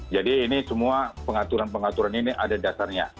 jadi ini semua pengaturan pengaturan ini ada dasarnya